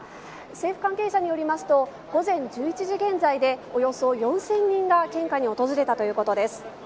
政府関係者によりますと午前１１時現在でおよそ４０００人が献花に訪れたということです。